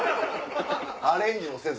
アレンジもせず。